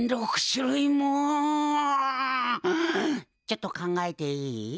ちょっと考えていい？